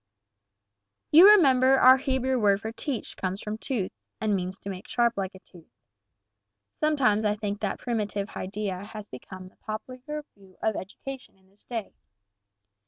"You remember our Hebrew word for teach comes from tooth, and means to make sharp like a tooth. Sometimes I think that primitive idea has become the popular view of education in this day.